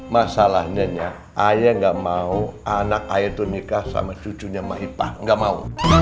masalahnya nya ayah gak mau anak ayah itu nikah sama cucunya mbak ipah gak mau